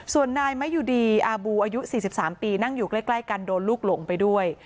ส่วนนายมะยูดีอาบูอายุ๔๓ปีนั่งอยู่ใกล้กันโดนลูกหลงไปด้วย